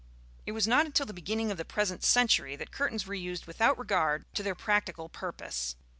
It was not until the beginning of the present century that curtains were used without regard to their practical purpose.